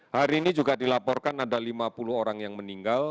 hari ini juga dilaporkan ada lima puluh orang yang meninggal